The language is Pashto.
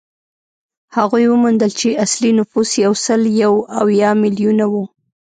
هغوی وموندل چې اصلي نفوس یو سل یو اویا میلیونه وو.